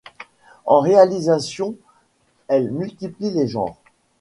En réalisation, elle multiplie les genres.